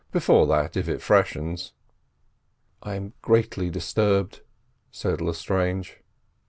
Before that if it freshens." "I am greatly disturbed," said Lestrange.